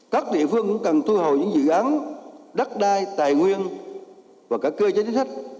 các địa phương cũng cần thu hồi những dự án đất đai tài nguyên và cả cơ chế chính sách